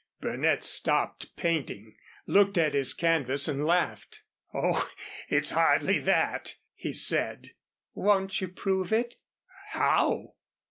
Burnett stopped painting, looked at his canvas and laughed. "Oh, it's hardly that," he said. "Won't you prove it?" "How?"